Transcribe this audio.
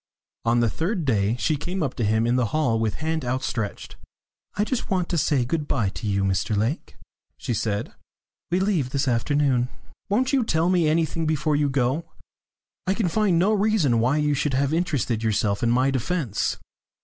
On the third day she came up to him in the hall with hand outstretched. "I just want to say good bye to you, Mr Lake," she said. "We leave this afternoon." "Won't you tell me anything before you go? I can find no reason why you should have interested yourself in my defence.